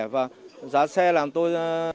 và giá xe làm tôi